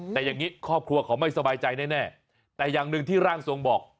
แต่อย่างนี้ครอบครัวเขาไม่สบายใจแน่แต่อย่างหนึ่งที่ร่างทรงบอก